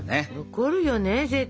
残るよね絶対。